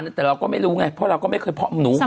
เราก็ไม่รู้ไงเพราะเราก็ไม่เคยพอมนุษย์ใคร